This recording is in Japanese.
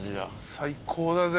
最高だぜ。